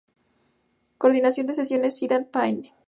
Coordinación de sesiones: Siobhan Paine.